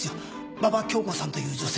馬場恭子さんという女性